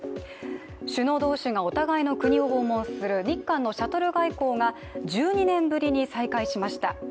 首脳同士がお互いの国を訪問する日韓のシャトル外交が１２年ぶりに再開しました。